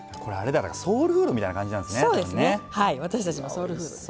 ソウルフードみたいな感じなんですね。